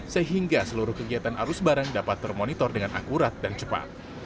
sehingga seluruh kegiatan arus barang dapat termonitor dengan akurat dan cepat